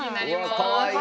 かわいい！